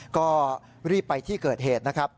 ก็รีบไปที่เกิดเหตุ